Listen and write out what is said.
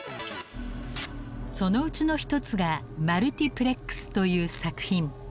そのうちの１つが「マルティプレックス」という作品。